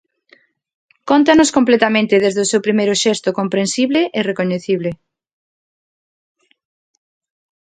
Cóntanos completamente desde o seu primeiro xesto comprensible e recoñecible.